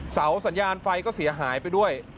สัญญาณไฟก็เสียหายไปด้วย